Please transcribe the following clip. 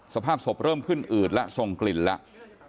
สภาพศพเริ่มขึ้นอืดแล้วทรงกลิ่นแล้ว